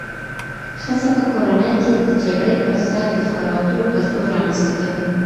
ښځه په کورنۍ کي د جګړې پر ځای د خبرو اترو کلتور رامنځته کوي